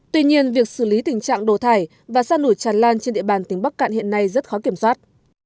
tuy nhiên việc xử lý tình trạng đổ thải và sa nổi tràn lan trên địa bàn tỉnh bắc cạn hiện nay rất khó kiểm soát